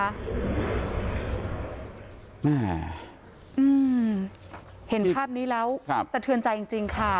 อืมเห็นภาพนี้แล้วครับสะเทือนใจจริงจริงค่ะ